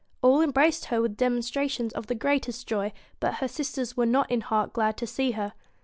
All embraced her with demonstrations of the greatest joy, but her sisters were not in heart glad to see her.